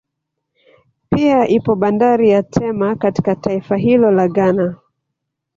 Pia ipo bandari ya Tema katika taifa hilo la Ghana